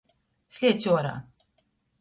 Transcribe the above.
Sliedz uorā!